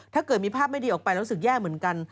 ถ้าเกิดมีภาพไม่ดีออกไปแล้วรู้สึกแย่เหมือนกัน